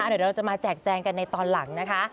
เดี๋ยวเราจะมาแจกแจงกันในตอนหลังนะคะ